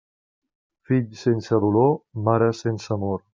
Fill sense dolor, mare sense amor.